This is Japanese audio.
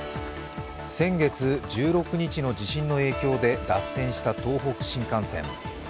先月１６日の地震の影響で脱線した東北新幹線。